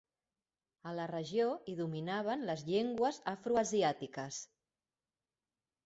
A la regió hi dominaven les llengües afroasiàtiques.